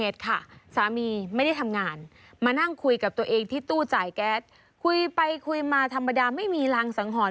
คุยไปคุยมาธรรมดาไม่มีรังสังหรณ